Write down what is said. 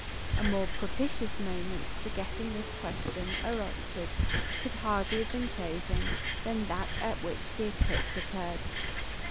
A more propitious moment for getting this question answered could hardly have been chosen than that at which the eclipse occurred.